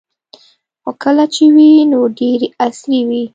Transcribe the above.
خو کله چې وې نو ډیرې عصري وې